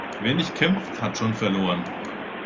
Wer nicht kämpft, hat schon verloren.